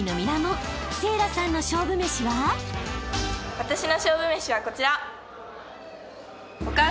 私の勝負めしはこちら。